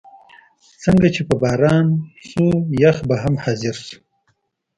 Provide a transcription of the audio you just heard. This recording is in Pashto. څنګه چې به باران شو، یخ به هم حاضر شو.